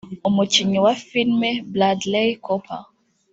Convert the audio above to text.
umukinnyi wa film Bradley Cooper